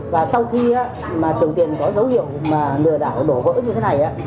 và sau khi mà trường tiền có dấu hiệu mà lừa đảo đổ vỡ như thế này